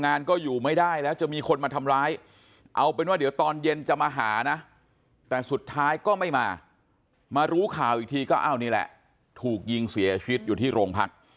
งานก็อยู่ไม่ได้แล้วจะมีคนมาทำร้ายเอาเป็นว่าเดี๋ยวตอน